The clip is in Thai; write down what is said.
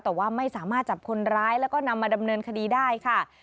แต่ว่าไม่สามารถจับคนร้ายแล้วก็นำมาดำเนินคดีได้ค่ะ